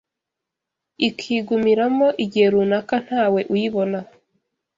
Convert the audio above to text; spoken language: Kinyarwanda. ikigumiramo igihe runaka ntawe uyibona